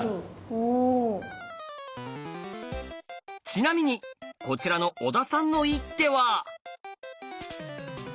ちなみにこちらの小田さんの一手は。